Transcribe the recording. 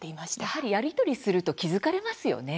やはり、やり取りすると気付かれますよね。